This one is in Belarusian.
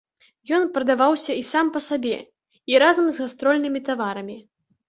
Ён прадаваўся і сам па сабе, і разам з гастрольнымі таварамі.